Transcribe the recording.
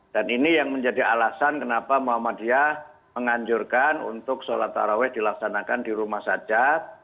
dan ini yang menjadi alasan kenapa muhammadiyah menganjurkan untuk sholat tarwah dilaksanakan di rumah sajad